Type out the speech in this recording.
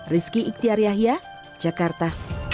rizky iktiariahia jakarta